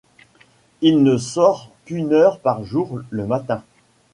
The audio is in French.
Il ne sort qu'une heure par jour, le matin.